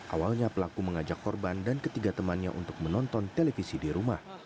awalnya pelaku mengajak korban dan ketiga temannya untuk menonton televisi di rumah